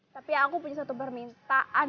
tapi aku punya satu permintaan